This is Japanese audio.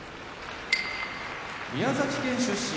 宮崎県出身